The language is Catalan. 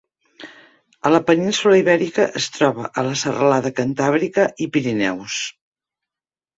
A la península Ibèrica es troba a la Serralada Cantàbrica i Pirineus.